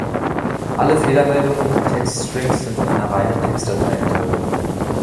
Alle Fehlermeldungen und Textstrings sind in einer reinen Textdatei enthalten.